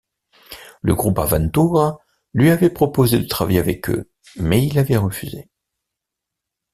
Le groupe Aventura lui avait proposé de travailler avec eux, mais il avait refusé.